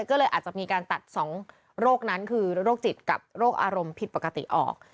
ก็เลยอาจจะมีการตัด๒โรคนั้นคือโรคจิตกับโรคอารมณ์ผิดปกติออก